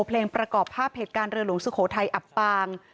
เพลงประกอบภาพเหตุการณ์เรือหลวงสุโขทัยอับปาง